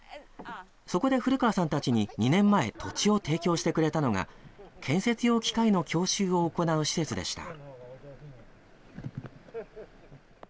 そこで古川さんたちに２年前、土地を提供してくれたのが、建設用機械の教習を行う施設でした。